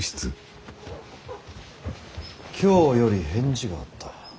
京より返事があった。